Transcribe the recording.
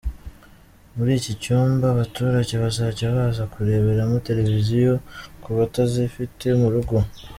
Muri iki cyumba abaturage bazajya baza kureberamo televiziyo ku batazifite mu rugo.